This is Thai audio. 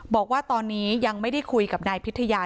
บอกว่าตอนนี้ยังไม่ได้คุยกับนายพิทยา